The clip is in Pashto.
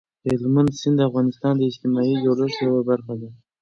هلمند سیند د افغانستان د اجتماعي جوړښت یوه برخه ده.